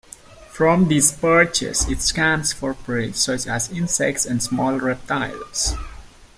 From these perches it scans for prey, such as insects and small reptiles.